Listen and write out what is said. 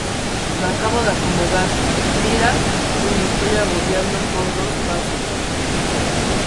me acabo de acordar. mira, y me estoy agobiando con los pasos.